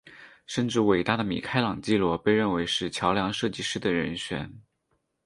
甚至伟大的米开朗基罗被认为是桥梁设计师的人选。